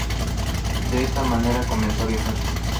De esta manera, comenzó a viajar.